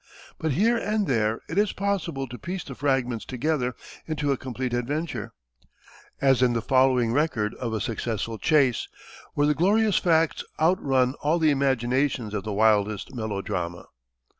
But here and there it is possible to piece the fragments together into a complete adventure, as in the following record of a successful chase, where the glorious facts outrun all the imaginations of the wildest melodrama.